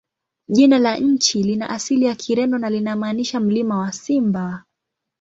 Jina la nchi lina asili ya Kireno na linamaanisha "Mlima wa Simba".